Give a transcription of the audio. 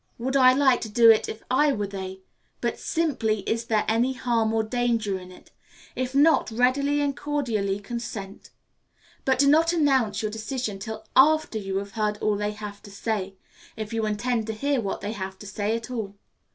Would I like to do it if I were they? but simply, Is there any harm or danger in it? If not, readily and cordially consent. But do not announce your decision till after you have heard all that they have to say, if you intend to hear what they have to say at all.